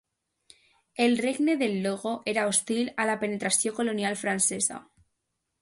El regne del Logo era hostil a la penetració colonial francesa.